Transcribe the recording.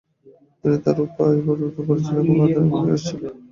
তিনি তার উপায় পরিবর্তন করেছিলেন এবং আধুনিক ওড়িয়া স্টাইলে কবিতা লিখেছিলেন।